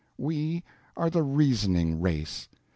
We are The Reasoning Race.